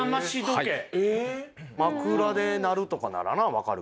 枕で鳴るとかならなわかるけど。